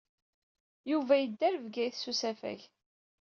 Yuba yedda ɣer Bgayet s usafag.